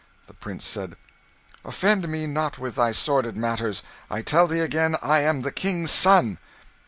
The Prince said "Offend me not with thy sordid matters. I tell thee again I am the King's son."